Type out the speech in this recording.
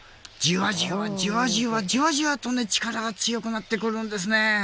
じわじわ、じわじわじわじわと力が強くなってるんですね。